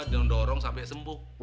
dorong dorong sampai sembuh